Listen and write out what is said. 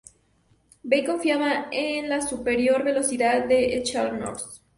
Bey confiaba en la superior velocidad del Scharnhorst.